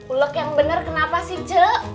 ulek yang bener kenapa sih ce